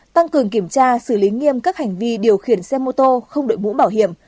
tăng cường kiểm tra xử lý nghiêm các hành vi điều khiển xe mô tô không đội mũ bảo hiểm